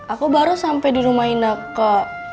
aku baru sampai di rumah i nneke